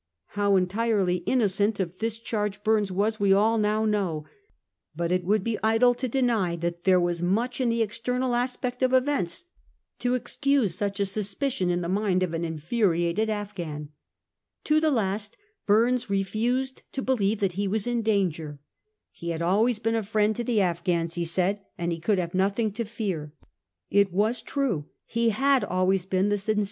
How entirely innocent of this charge Burnes was we all now know; but it would be idle to deny that there was much in the external aspect of events to excuse such a suspicion in the mind of an infuriated Afghan. To the last Bumes refused to believe that he was in danger. He had always been a friend to the Afghans, he said, and he could have nothing to fear. It was true. He had always been the sincere friend of the Afghans.